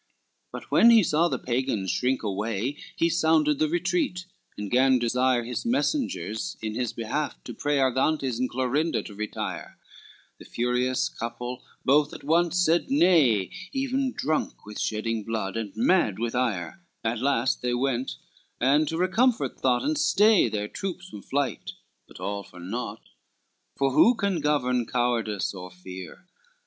XCIV But when he saw the Pagans shrink away, He sounded the retreat, and gan desire His messengers in his behalf to pray Argantes and Clorinda to retire; The furious couple both at once said nay, Even drunk with shedding blood, and mad with ire, At last they went, and to recomfort thought And stay their troops from flight, but all for nought. XCV For who can govern cowardice or fear?